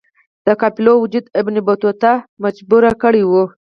د قافلو وجود ابن بطوطه مجبور کړی وی.